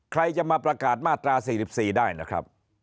ใครจะมาประกาศมาตรา๔๔ได้นะครับ